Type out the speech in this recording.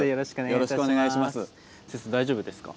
よろしくお願いします。